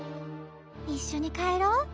いっしょにかえろう。